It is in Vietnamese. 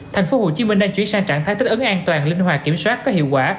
tp hcm đang chuyển sang trạng thái tích ấn an toàn linh hoạt kiểm soát có hiệu quả